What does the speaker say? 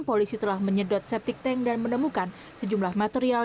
polisi telah menyedot septic tank dan menemukan sejumlah material